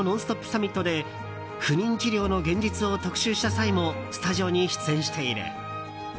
サミットで不妊治療の現実を特集した際もスタジオに出演している。